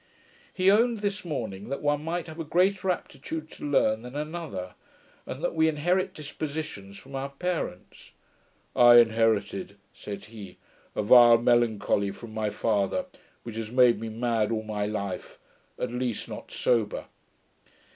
He owned, this morning, that one might have a greater aptitude to learn than another, and that we inherit dispositions from our parents. 'I inherited,' said he, 'a vile melancholy from my father, which has made me mad all my life, at least not sober.'